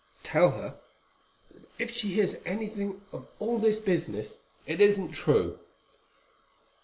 "Tell her—that if she hears anything of all this business, it isn't true."